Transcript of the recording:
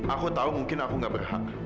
aku tahu mungkin aku gak berhak